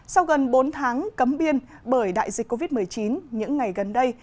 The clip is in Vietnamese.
sau gần bốn tháng cấm biên bởi đại dịch covid một mươi chín những ngày gần đây